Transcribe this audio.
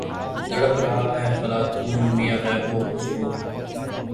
تڑپ رہا ہے فلاطوں میان غیب و حضور